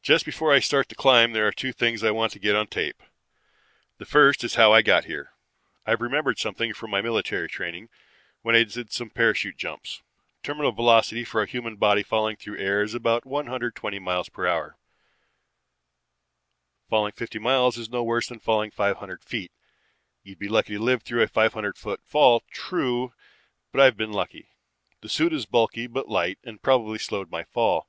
"Just before I start the climb there are two things I want to get on tape. The first is how I got here. I've remembered something from my military training, when I did some parachute jumps. Terminal velocity for a human body falling through air is about one hundred twenty m.p.h. Falling fifty miles is no worse than falling five hundred feet. You'd be lucky to live through a five hundred foot fall, true, but I've been lucky. The suit is bulky but light and probably slowed my fall.